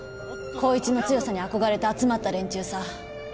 光一の強さに憧れて集まった連中さ。